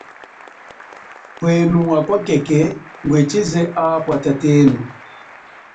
Pwenu akwa khekhe ngwe chize apwa tatenu.